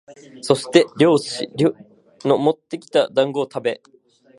そして猟師のもってきた団子をたべ、